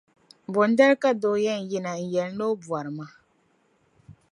Bondali ka doo yɛn yina n-yɛli ni o bɔrima.